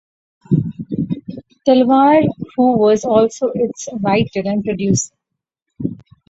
Talwar who was also its writer and producer.